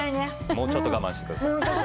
もうちょっと我慢してください。